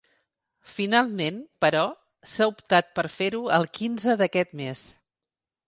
Finalment, però, s’ha optat per fer-ho el quinze d’aquest mes.